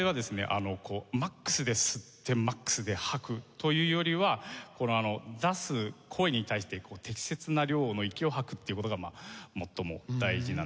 あのこうマックスで吸ってマックスで吐くというよりは出す声に対して適切な量の息を吐くという事が最も大事なんです。